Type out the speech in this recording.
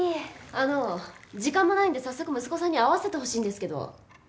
あの時間もないんで早速息子さんに会わせてほしいんですけど。